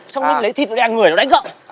xong rồi nó lấy thịt nó đèn người nó đánh cậu